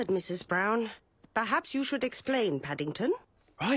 はい。